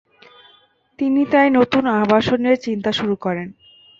তিনি তাই নতুন আবাসনের চিন্তা শুরু করেন।